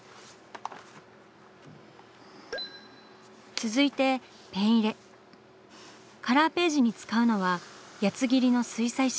続いてカラーページに使うのは八つ切りの水彩紙。